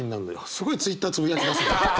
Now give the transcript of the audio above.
すごいＴｗｉｔｔｅｒつぶやきだす。